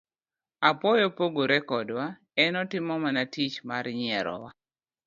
Apuoyo pogore kodwa, en otimo mana tich mar nyierowa.